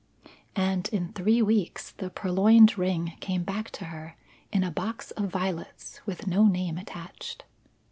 And in three weeks the purloined ring came back to her, in a box of violets with no name attached.